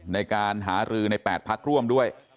ในการหารือใน๘พักร่วมด้วย